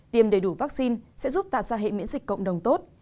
tiêm đầy đủ vaccine sẽ giúp tạo ra hệ miễn dịch cộng đồng tốt